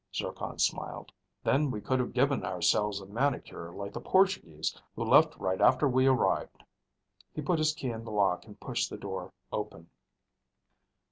Zircon smiled. "Then we could have given ourselves a manicure, like the Portuguese who left right after we arrived." He put his key in the lock and pushed the door open.